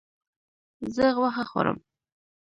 زه غوښه خورم